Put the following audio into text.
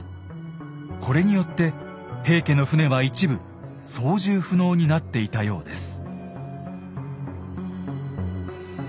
これによって平家の船は一部操縦不能になっていたようです。